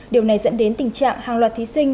điều này dẫn đến tình trạng hàng loạt thí sinh